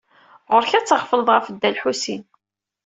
Ɣur-k ad tɣefleḍ ɣef Dda Lḥusin.